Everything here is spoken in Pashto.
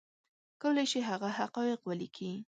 کولی شي هغه حقایق ولیکي